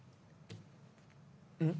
うん？